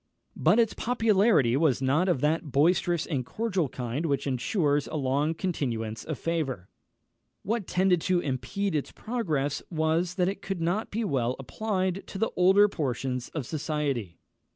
_" But its popularity was not of that boisterous and cordial kind which ensures a long continuance of favour. What tended to impede its progress was, that it could not be well applied to the older portions of society.